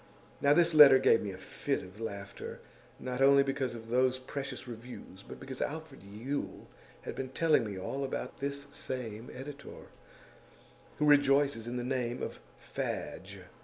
Now this letter gave me a fit of laughter; not only because of those precious reviews, but because Alfred Yule had been telling me all about this same editor, who rejoices in the name of Fadge.